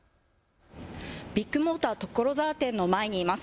ビッグモーター所沢店の前にいます。